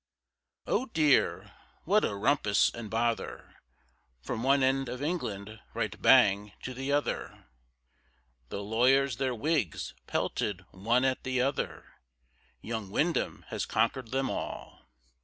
] Oh, dear! what a rumpus and bother, From one end of England right bang to the other, The lawyers their wigs pelted one at the other, Young Windham has conquered them all.